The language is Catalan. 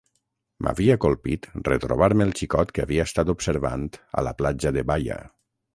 M'havia colpit retrobar-me el xicot que havia estat observant a la platja de Baia.